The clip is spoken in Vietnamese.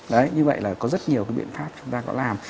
đấy như vậy là có rất nhiều cái biện pháp chúng ta có làm